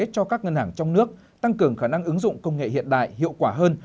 cho các ngân hàng trong nước tăng cường khả năng ứng dụng công nghệ hiện đại hiệu quả hơn